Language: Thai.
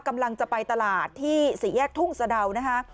กำลังจะไปตลาดที่สี่แยกทุ่งสะดาวนะคะ